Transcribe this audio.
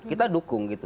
kita dukung gitu